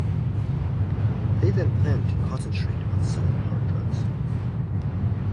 They then plan to concentrate on selling hard drugs.